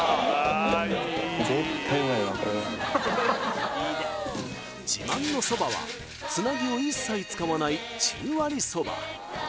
絶対うまいわこれは自慢のそばはつなぎを一切使わない十割そば